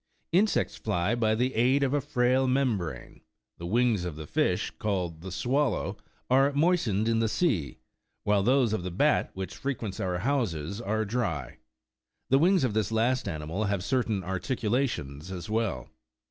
Insects fly by the aid of a frail membrane ; the wings of the fish19 called the "swallow" are moistened in the sea, while those of the bat which frequents our houses are dry ; the wings of this last animal have certain articulations as well.